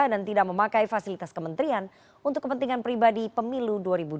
dan tidak memakai fasilitas kementerian untuk kepentingan pribadi pemilu dua ribu dua puluh empat